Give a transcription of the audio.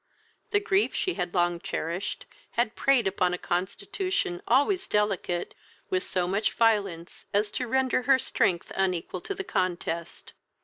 The grief she had long cherished had preyed upon a constitution, always delicate, with so much violence as to render her strength unequal to the contest.